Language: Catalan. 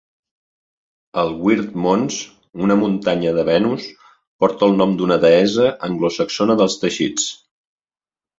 El Wyrd Mons, una muntanya de Venus, porta el nom d'una "deessa anglosaxona dels teixits".